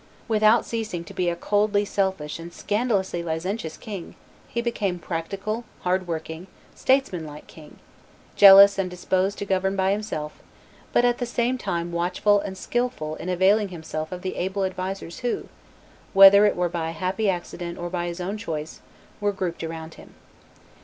Without ceasing to be coldly selfish and scandalously licentious king he became practical, hard working, statesman like king, jealous and disposed to govern by himself, but at the same time watchful and skilful in availing himself of the able advisers who, whether it were by a happy accident or by his own choice, were grouped around him.